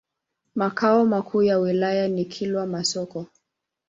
Makao makuu ya wilaya ni Kilwa Masoko.